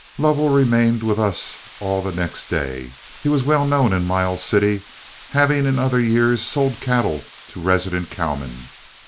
Lovell remained with us all the next day. He was well known in Miles City, having in other years sold cattle to resident cowmen.